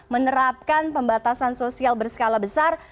menerapkan pembatasan sosial berskala besar